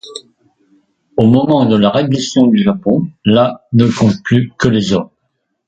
Au moment de la reddition du Japon, la ne compte plus que hommes.